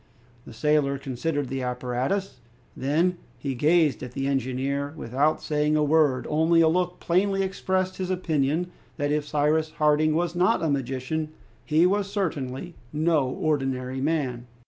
The sailor considered the apparatus; then he gazed at the engineer without saying a word, only a look plainly expressed his opinion that if Cyrus Harding was not a magician, he was certainly no ordinary man.